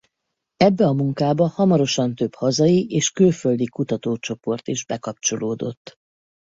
Ebbe a munkába hamarosan több hazai és külföldi kutatócsoport is bekapcsolódott.